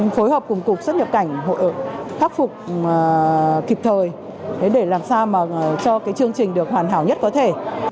phối hợp cùng cục xuất nhập cảnh khắc phục kịp thời để làm sao mà cho chương trình được hoàn hảo nhất có thể